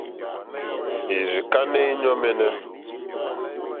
Èrzì kánɛ́ íɲɔ̂ mɛ́nɛ́.